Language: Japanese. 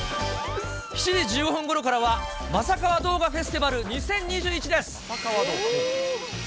７時１５分ごろからは、まさカワ動画フェスティバル２０２１です。